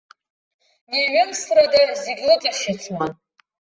Неиҩымсрада зегьы лыҵашьыцуан.